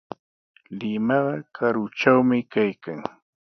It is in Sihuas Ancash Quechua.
Limaqa karutrawmi kaykan.